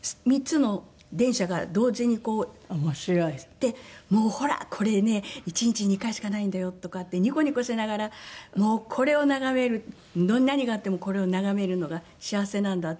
で「ほら！これね１日に２回しかないんだよ」とか言ってニコニコしながら「もうこれを眺める何があってもこれを眺めるのが幸せなんだ」って。